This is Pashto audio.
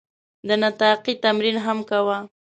د نطاقي تمرین هم کاوه.